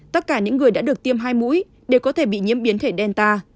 tất cả những người đã được tiêm hai mũi đều có thể bị nhiễm biến thể delta